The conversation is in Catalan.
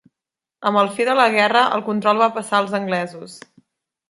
Amb el fi de la guerra el control va passar als anglesos.